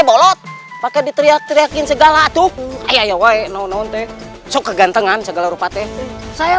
bolot pakai diteriak teriakin segala tuh ya ya weh no nontek suka gantengan segala rupanya saya